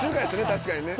確かにね。